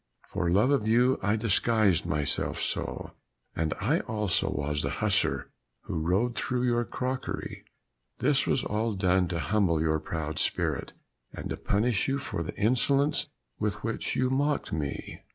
For love of you I disguised myself so; and I also was the hussar who rode through your crockery. This was all done to humble your proud spirit, and to punish you for the insolence with which you mocked me."